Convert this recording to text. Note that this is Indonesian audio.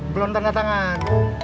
belum tanda tangan